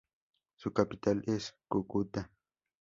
Su capital es Cúcuta.